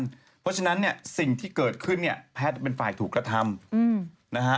เพราะฉะนั้นเนี่ยสิ่งที่เกิดขึ้นเนี่ยแพทย์เป็นฝ่ายถูกกระทำนะฮะ